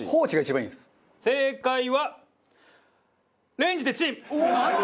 正解はレンジでチン！